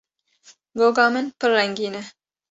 Goga min pir rengîn e.